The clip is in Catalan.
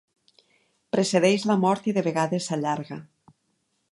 Precedeix la mort i de vegades s'allarga.